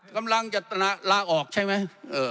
กำลังจะลาออกใช่ไหม